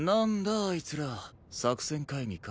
あいつら。作戦会議か？